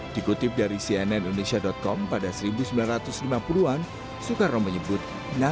dikutip dari cnn indonesia com pada seribu sembilan ratus lima puluh an soekarno menyebut nama